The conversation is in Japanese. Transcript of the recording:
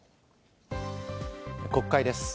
国会です。